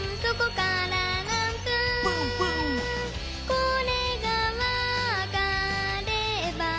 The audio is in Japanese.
「これがわかれば」